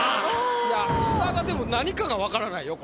いや津田がでも何かがわからないよ